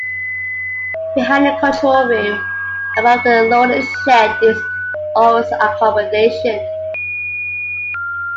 Behind the control room, above the loading shed, is office accommodation.